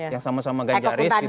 yang sama sama ganjaris